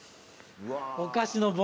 お菓子の盆。